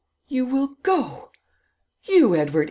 "You will go! You, Edward!